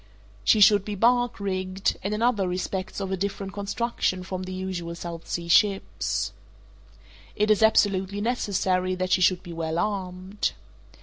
She should be bark rigged, and in other respects of a different construction from the usual South Sea ships. It is absolutely necessary that she should be well armed.